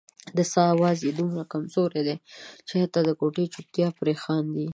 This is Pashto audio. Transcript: د ساه اواز یې دومره کمزوری دی چې حتا د کوټې چوپتیا پرې خاندي.